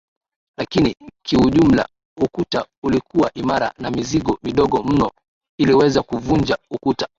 Lakini kiujumla ukuta ulikuwa imara na mizinga midogo mno iliweza kuvunja ukuta